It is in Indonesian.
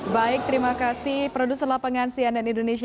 baik terima kasih produser lapangan sian dan indonesia